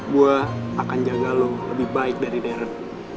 gue akan jaga lo lebih baik dari deret